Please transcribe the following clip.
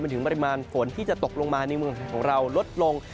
ถึงปริมาณฝนที่จะตกลงมาในเมืองของเราลดลง